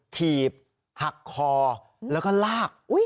ถีบหักคอแล้วก็ลาก